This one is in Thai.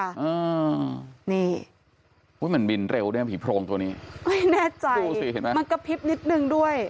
อ่านี่อุ้ยมันบินเร็วด้วยผีโพรงตัวนี้ไม่แน่ใจดูสิเห็นไหมมันกระพริบนิดนึงด้วย